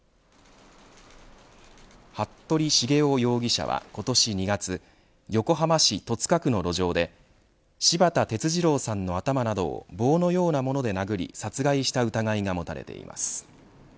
服部繁雄容疑者は、今年２月横浜市戸塚区の路上で柴田哲二郎さんの頭などを棒のようなもので殴り殺害した疑いが持たれています。